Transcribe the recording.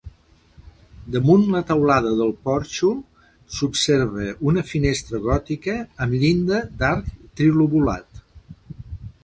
Damunt la teulada del porxo s'observa una finestra gòtica amb llinda d'arc trilobulat.